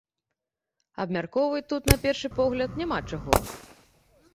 Абмяркоўваць тут, на першы погляд, няма чаго.